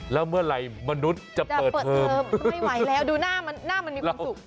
แล้วเมื่อไหร่มนุษย์จะเปิดเทอมไม่ไหวแล้วดูหน้ามันมีความสุข